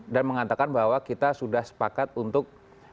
dan mengatakan bahwa kita sudah sepakat untuk